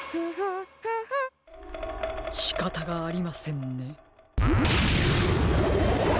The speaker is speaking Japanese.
しかたがありませんね。